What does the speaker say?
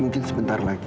mungkin sebentar lagi